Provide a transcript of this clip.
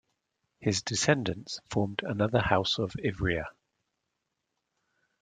His descendants formed another House of Ivrea.